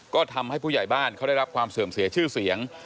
ก็ทำให้ผู้ใหญ่บ้านเขาได้รับความเสื่อมเสียชื่อเสียง